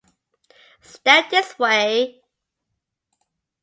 Step this way.